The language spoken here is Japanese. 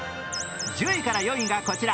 １０位から４位がこちら。